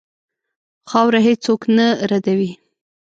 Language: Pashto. خاوره هېڅ څوک نه ردوي.